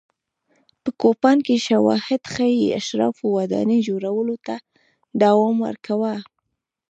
په کوپان کې شواهد ښيي اشرافو ودانۍ جوړولو ته دوام ورکاوه.